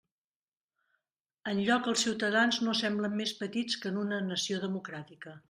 Enlloc els ciutadans no semblen més petits que en una nació democràtica.